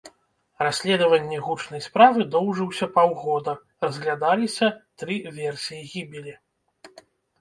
Расследаванне гучнай справы доўжыўся паўгода, разглядаліся тры версіі гібелі.